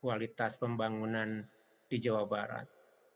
kualitas pembangunan di jawa barat